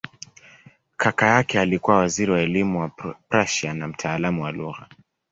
Kaka yake alikuwa waziri wa elimu wa Prussia na mtaalamu wa lugha.